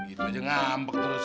itu aja ngambek terus